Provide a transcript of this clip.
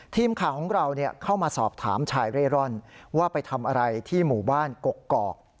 ทีมข่าวของเราเข้ามาสอบถามชายเร่ร่อนว่าไปทำอะไรที่หมู่บ้านกกอก